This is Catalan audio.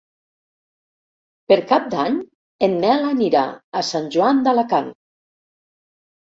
Per Cap d'Any en Nel anirà a Sant Joan d'Alacant.